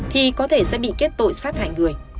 thì có thể sẽ bị kết tội sát hại người